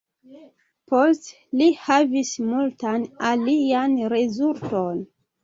Poste li havis multan alian rezulton.